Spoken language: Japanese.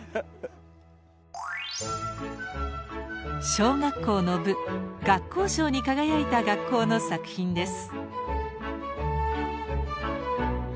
小学校の部学校賞に輝いた学校の作品です。